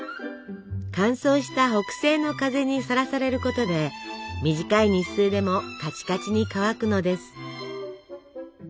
乾燥した北西の風にさらされることで短い日数でもカチカチに乾くのです。